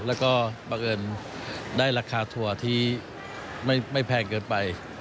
แล้วก็บังเอิญได้ราคาทัวร์ที่ไม่แพงเกินไป